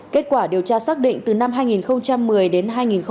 kết quả điều tra xác định từ năm hai nghìn một mươi đến hai nghìn hai mươi